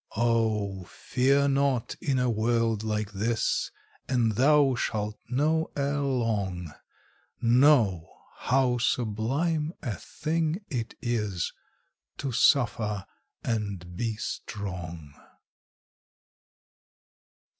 Oh, fear not in a world like this, And thou shalt know ere long, Know how sublime a thing it is To suffer and be strong.